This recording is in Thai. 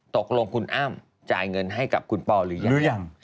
ตกลงคุณอ้ามจ่ายเงินให้กับคุณปอลหรือยัง